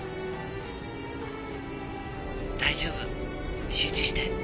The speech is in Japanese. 大丈夫集中して。